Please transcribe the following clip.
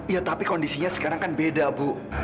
ya tapi kondisinya sekarang kan beda bu